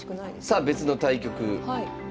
さあ別の対局。